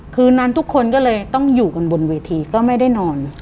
คืนนั้นทุกคนก็เลยต้องอยู่กันบนเวทีก็ไม่ได้นอน